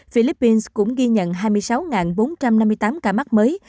philippines cũng ghi nhận hai mươi sáu bốn trăm năm mươi tám ca mắc mới